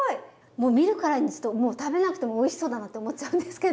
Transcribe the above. もう見るからに食べなくてもおいしそうだなって思っちゃうんですけど。